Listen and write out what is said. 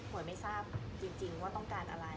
ไม่ทราบจริงว่าต้องการอะไร